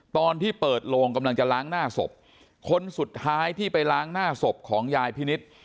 ตอนที่เปิดโลงกำลังจะล้างหน้าศพคนสุดท้ายที่ไปล้างหน้าศพของยายพินิษฐ์